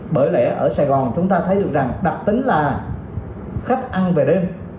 bởi lẽ ở sài gòn chúng ta thấy được rằng đặc tính là khách ăn về đêm